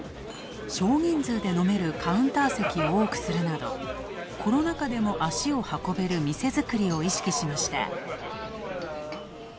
少人数で飲めるカウンター席を多くするなど、コロナ禍でも足を運べる店づくりを意識しました。